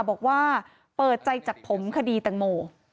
บอกว่าเปิดใจจากผมคดีแตงโม